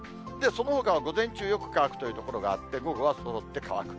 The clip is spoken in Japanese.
そのほかは午前中、よく乾くという所があって、午後はそろって乾く。